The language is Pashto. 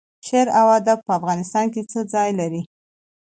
شعر او ادب په افغانستان کې څه ځای لري؟